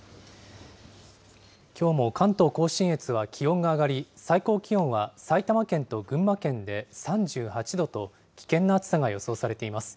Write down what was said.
きょうも関東甲信越は気温が上がり、最高気温は埼玉県と群馬県で３８度と、危険な暑さが予想されています。